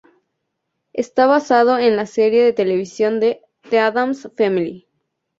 Está basado en la serie de televisión de "The Addams Family".